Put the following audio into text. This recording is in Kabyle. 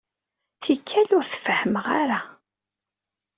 Tikkal, ur t-fehhmeɣ ara.